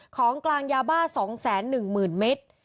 ของกลางยาบ้า๒๑๐๐๐เมตร